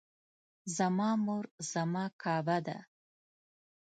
زما مور زما کعبه ده